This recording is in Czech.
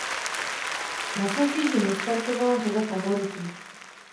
Na soutěži nestartovala řada favoritů.